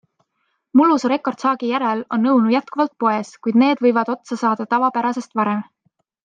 Mulluse rekordsaagi järel on õunu jätkuvalt poes, kuid need võivad otsa saada tavapärasest varem.